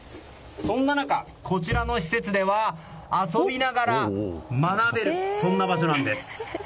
そんな中、こちらの施設では遊びながら学べるそんな場所なんです。